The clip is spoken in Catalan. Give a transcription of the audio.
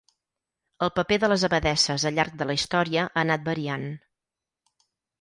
El paper de les abadesses al llarg de la història ha anat variant.